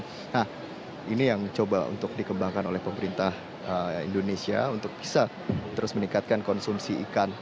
nah ini yang coba untuk dikembangkan oleh pemerintah indonesia untuk bisa terus meningkatkan konsumsi ikan